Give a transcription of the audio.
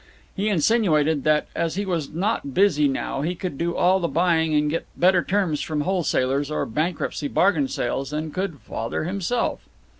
He insinuated that, as he was not busy now, he could do all the buying and get better terms from wholesalers or bankruptcy bargain sales than could Father himself.